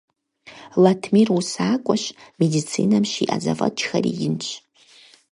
Латмир усакӀуэщ, медицинэм щиӀэ зэфӀэкӀхэри инщ.